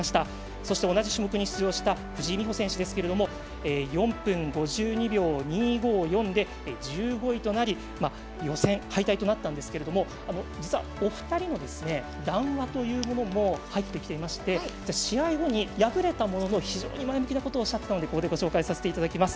そして同じ種目に出場した藤井美穂選手ですが４分５２秒２５４で１５位となり予選は痛いとなったんですけれど実はお二人の談話というものも入ってきていまして試合後に敗れたものの、非常に前向きなことをおっしゃっていたのでここでご紹介させていただきます。